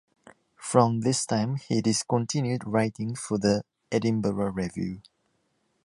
From this time he discontinued writing for the "Edinburgh Review".